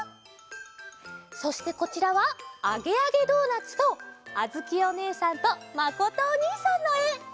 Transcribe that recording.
そしてこちらは「あげあげドーナツ」とあづきおねえさんとまことおにいさんのえ！